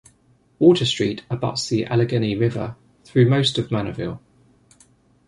Water Street abuts the Allegheny River through most of Manorville.